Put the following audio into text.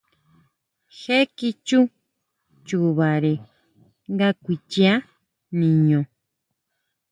Je kichú chubare nga kuichia niño.